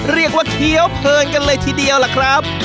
เรียกว่าเคี้ยวเพลินกันเลยทีเดียวล่ะครับ